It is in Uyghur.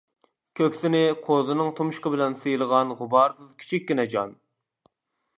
كۆكسىنى قوزىنىڭ تۇمشۇقى بىلەن سىيلىغان غۇبارسىز كىچىككىنە جان.